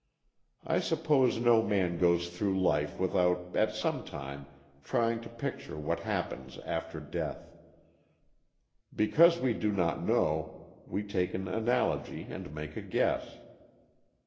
I suppose no man goes through life with AN exchangp: of souls 255 out at some time trying to picture what happens after death. Because we do not know, we take an analogy and make a guess.